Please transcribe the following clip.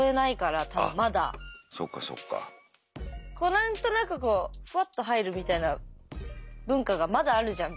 何となくこうふわっと入るみたいな文化がまだあるじゃん。